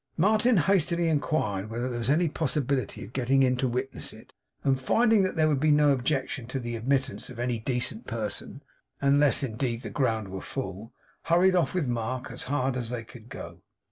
Martin hastily inquired whether there was any possibility of getting in to witness it; and finding that there would be no objection to the admittance of any decent person, unless indeed the ground were full, hurried off with Mark, as hard as they could go.